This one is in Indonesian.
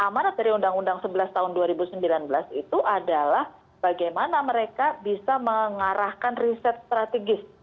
karena amanat dari undang undang sebelas tahun dua ribu sembilan belas itu adalah bagaimana mereka bisa mengarahkan riset strategis